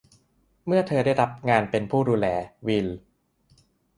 เมื่อเธอรับงานเป็นผู้ดูแล วิล